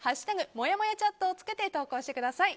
「＃もやもやチャット」をつけて投稿してください。